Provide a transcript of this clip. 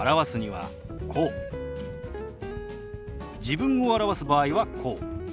自分を表す場合はこう。